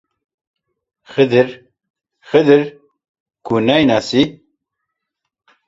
خدر، خدر، کوو نایناسی؟!